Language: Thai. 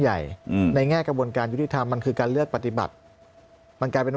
ใหญ่อืมในแง่กระบวนการยุติธรรมมันคือการเลือกปฏิบัติมันกลายเป็น